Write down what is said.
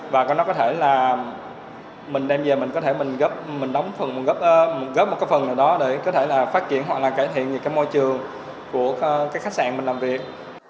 và nó có thể là mình đem về mình có thể góp một phần để phát triển hoặc cải thiện môi trường của khách sạn mình làm việc